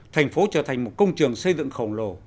thành phố trở thành một công trường xây dựng khổng lồ